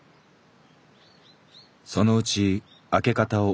そのうち開け方を覚えた。